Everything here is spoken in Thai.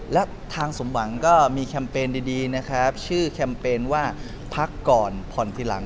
และทางสมหวังก็มีแคมเปญดีนะครับชื่อแคมเปญว่าพักก่อนผ่อนทีหลัง